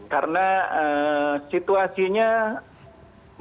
karena situasinya barangkali belum pernah dialami oleh sepak bola indonesia